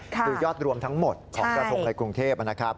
คือยอดรวมทั้งหมดของกระทงในกรุงเทพนะครับ